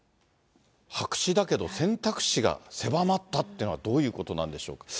白紙だけど選択肢が狭まったってのはどういうことなんでしょう。